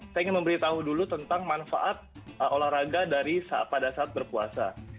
saya ingin memberitahu dulu tentang manfaat olahraga pada saat berpuasa